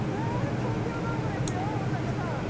東京ドームですよおたけさん